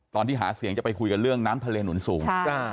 ตอนที่หาเสียงจะไปคุยกันเรื่องน้ำทะเลหนุนสูง